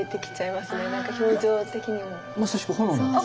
まさしく炎なんです。